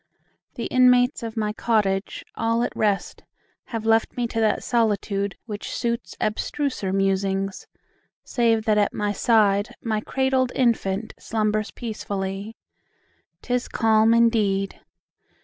The inmates of my cottage, all at rest, Have left me to that solitude, which suits Abstruser musings: save that at my side My cradled infant slumbers peacefully. 'Tis calm indeed!